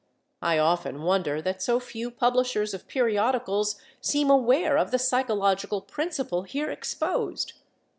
I often wonder that so few publishers of periodicals seem aware of the psychological principle here exposed.